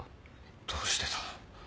どうしてだ？